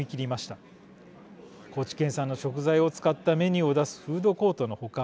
高知県産の食材を使ったメニューを出すフードコートの他